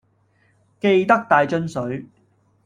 記得帶樽水